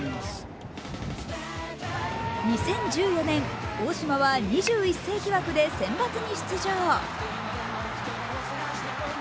２０１４年、大島は２１世紀枠でセンバツに出場。